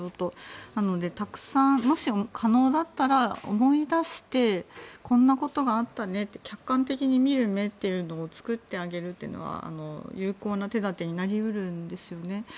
なのでたくさんもし可能だったら思い出してこんなことがあったねって客観的に見る目というのを作ってあげるというのは有効な手立てになり得るんですよね。